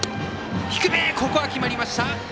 ここは決まりました！